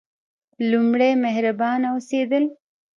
لومړی: مهربانه اوسیدل.